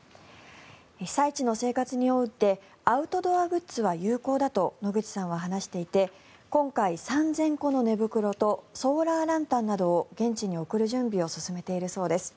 被災地の生活においてアウトドアグッズは有効だと野口さんは話していて今回３０００個の寝袋とソーラーランタンなどを現地に送る準備を進めているそうです。